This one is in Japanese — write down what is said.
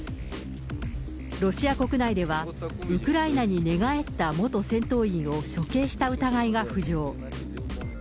ロシア国内では、ウクライナに寝返った元戦闘員を処刑した疑いが浮上。